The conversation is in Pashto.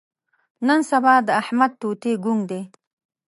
نن سبا د احمد توتي ګونګ دی.